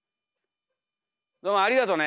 どうもありがとね。